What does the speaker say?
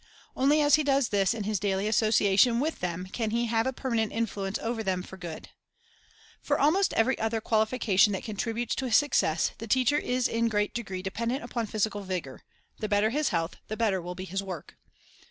Only as he does this in his daily associa tion with them can he have a permanent influence over them for good. For almost every other qualification that contributes to his success, the teacher is in great degree dependent upon physical vigor. The better his health, the better will be his work.